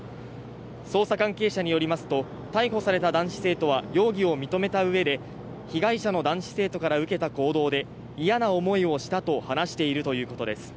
捜査関係者によりますと、逮捕された男子生徒は容疑を認めたうえで、被害者の男子生徒から受けた行動で嫌な思いをしたと話しているということです。